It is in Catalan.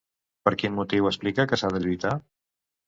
Per quin motiu explica que s'ha de lluitar?